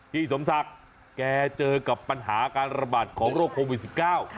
พี่สมศักดิ์แกเจอกับปัญหาการระบาดของโรคโควิดสิบเก้า